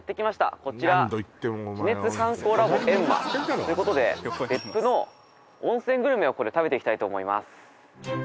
こちら地熱観光ラボ縁間ということで別府の温泉グルメをここで食べていきたいと思います